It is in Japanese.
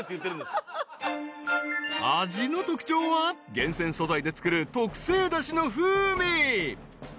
［味の特徴は厳選素材で作る特製だしの風味］